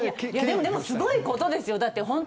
でも、すごいことですよ。